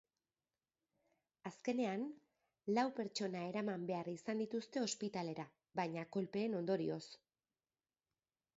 Azkenean, lau pertsona eraman behar izan dituzte ospitalera, baina kolpeen ondorioz.